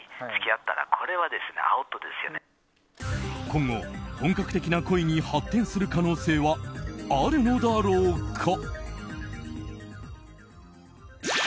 今後、本格的な恋に発展する可能性はあるのだろうか。